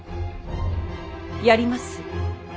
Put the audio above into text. やります。